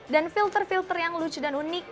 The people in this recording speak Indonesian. dan filter filter yang lucu dan unik